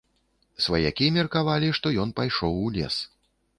Сваякі меркавалі, што ён пайшоў у лес.